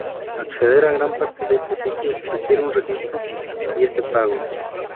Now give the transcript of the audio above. Acceder a gran parte de este sitio requiere un registro y es de pago.